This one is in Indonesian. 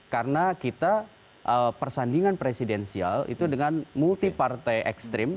karena kita persandingan presidensial itu dengan multi partai ekstrim